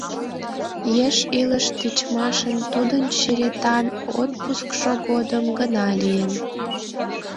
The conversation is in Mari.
Еш илыш тичмашын тудын черетан отпускшо годым гына лийын.